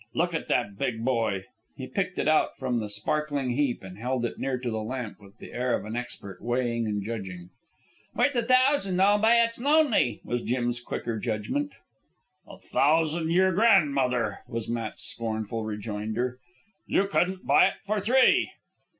Look at that big boy!" He picked it out from the sparkling heap and held it near to the lamp with the air of an expert, weighing and judging. "Worth a thousan' all by its lonely," was Jim's quicker judgment. "A thousan' your grandmother," was Matt's scornful rejoinder. "You couldn't buy it for three."